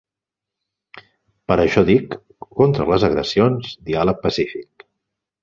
Per això dic: contra les agressions, diàleg pacífic.